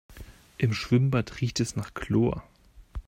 Im Schwimmbad riecht es nach Chlor.